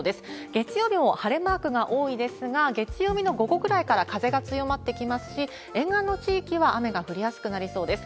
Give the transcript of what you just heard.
月曜日も晴れマークが多いですが、月曜日の午後くらいから風が強まってきますし、沿岸の地域は雨が降りやすくなりそうです。